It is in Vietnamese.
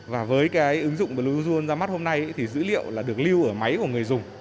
và với cái ứng dụng bluezone ra mắt hôm nay thì dữ liệu là được lưu ở máy của người dùng